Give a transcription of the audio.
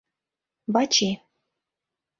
Вачи.